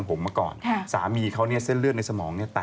ฮะอันนี้ที่เราถ่ายทำเมื่อวันนั้นน่ะ